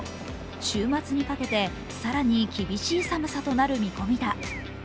週末にかけて、更に厳しい寒さとなる見込みだ。